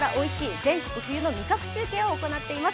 全国冬の味覚中継を行っています。